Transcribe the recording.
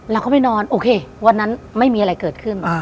เราก็ไปนอนโอเควันนั้นไม่มีอะไรเกิดขึ้น